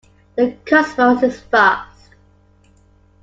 The cosmos is vast.